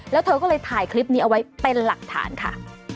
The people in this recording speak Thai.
แล้วเธอก็เลยถ่ายคลิปนี้เอาไว้เป็นหลักฐานค่ะ